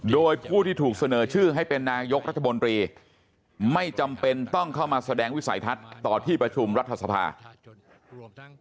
โดยผู้ที่ถูกเสนอชื่อให้เป็นนายกรัฐมนตรีไม่จำเป็นต้องเข้ามาแสดงวิสัยทัศน์ต่อที่ประชุมรัฐสภา